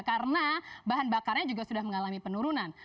karena bahan bakarnya juga sudah mengalami penurunan